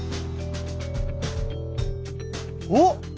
おっ！